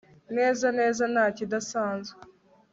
neza neza nta kidasanzwe